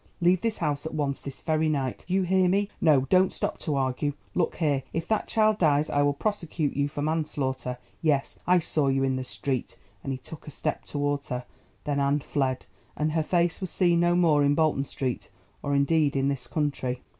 Leave this house at once, this very night. Do you hear me? No, don't stop to argue. Look here! If that child dies I will prosecute you for manslaughter; yes, I saw you in the street," and he took a step towards her. Then Anne fled, and her face was seen no more in Bolton Street or indeed in this country.